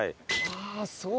ああそう。